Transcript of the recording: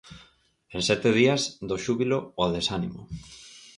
En sete días, do xúbilo ao desánimo.